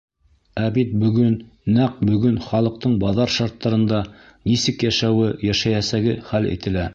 Ә бит бөгөн, нәҡ бөгөн халыҡтың баҙар шарттарында нисек йәшәүе, йәшәйәсәге хәл ителә.